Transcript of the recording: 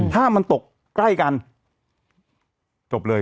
ถ้ามันตกใกล้กันจบเลย